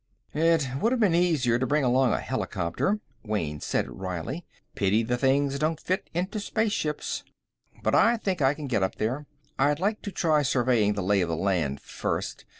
"It would have been easier to bring along a helicopter," Wayne said wryly. "Pity the things don't fit into spaceships. But I think I can get up there. I'd like to try surveying the lay of the land, first.